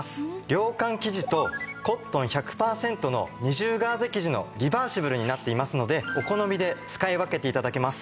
涼感生地とコットン１００パーセントの２重ガーゼ生地のリバーシブルになっていますのでお好みで使い分けて頂けます。